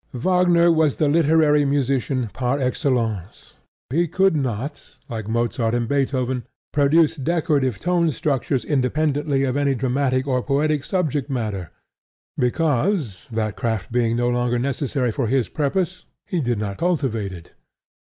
Wagner was the literary musician par excellence. He could not, like Mozart and Beethoven, produce decorative tone structures independently of any dramatic or poetic subject matter, because, that craft being no longer necessary for his purpose, he did not cultivate it.